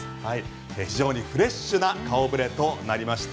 非常にフレッシュな顔ぶれとなりました。